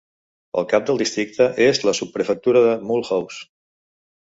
El cap del districte és la sotsprefectura de Mulhouse.